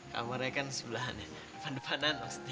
kamarnya kan sebelah depan depanan maksudnya